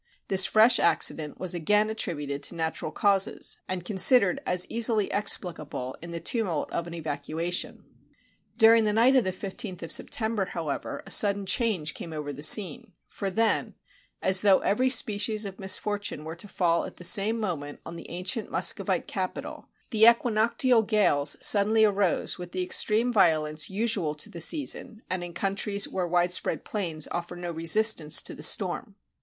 This fresh accident was again at tributed to natural causes, and considered as easily ex pHcable in the tumult of an evacuation. During the night of the 15th of September, however, a sudden change came over the scene ; for then, as though every species of misfortune were to fall at the same mo ment on the ancient Muscovite capital, the equinoctial gales suddenly arose with the extreme violence usual to the season, and in countries where widespread plains offer no resistance to the storm.